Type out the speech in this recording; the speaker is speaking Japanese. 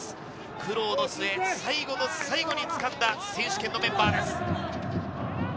苦労の末、最後の最後につかんだ選手権のメンバーです。